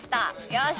よし！